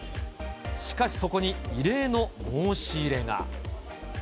しかし、そこに異例の申し入れが。